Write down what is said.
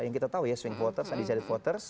yang kita tahu ya swing voters undecided voters